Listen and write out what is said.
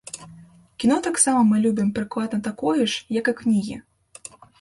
Кіно таксама мы любім прыкладна такое ж, як і кнігі.